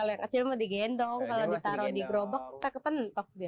kalau yang kecil mau digendong kalau ditaro di gerobak tak kepen pop dia